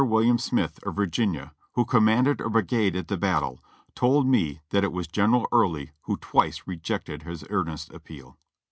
William Smith, of Virginia, who commanded a brigade at the battle, told me that it was General Early who twice rejected his earnest appeal.